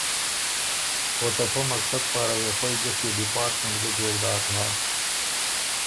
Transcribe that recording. او ته پۀ مقصد پاره وې خوئ ګشيې ډیپارټمنټ ګۀ جوړ داک هۀ